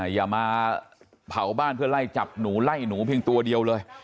อย่ามาเผาบ้านเพื่อไล่จับหนูไล่หนูเพียงตัวเดียวเลย